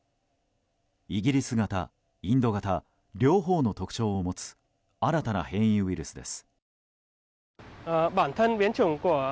イギリス型、インド型両方の特徴を持つ新たな変異ウイルスです。